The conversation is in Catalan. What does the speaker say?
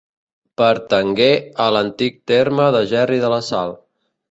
Pertangué a l'antic terme de Gerri de la Sal.